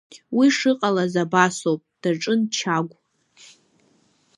Уи шыҟалаз абасоуп, даҿын Чагә…